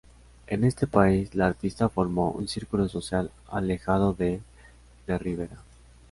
En este país, la artista formó un círculo social alejado del de Rivera.